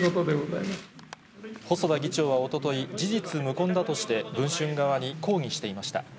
細田議長はおととい、事実無根だとして、文春側に抗議していました。